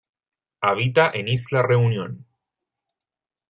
Habita en Isla Reunión.